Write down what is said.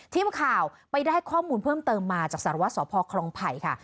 ทีมข่าวไปได้ข้อมูลเพิ่มเติมมาจากสารวัตรสพครองไผ่ค่ะ